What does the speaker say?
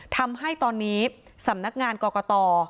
ทำให้ตอนนี้สำนักงานกรกต